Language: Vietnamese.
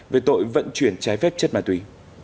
về tội vận chuyển trái phép chất ma túy